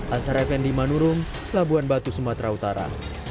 ansar effendi manurung labuan batu sumatera utara